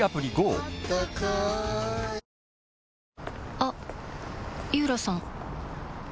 あっ井浦さん